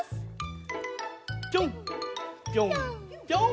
ぴょんぴょんぴょん！